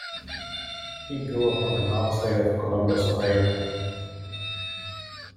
He grew up on the north side of Columbus, Ohio.